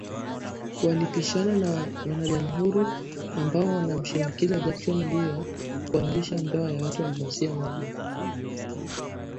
Walipishana na wanajamhuri ambao walimshinikiza Jackson juu ya kuanzisha ndoa za watu wa jinsia moja